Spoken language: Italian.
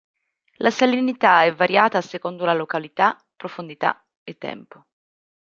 La salinità è variata secondo la località, profondità e tempo.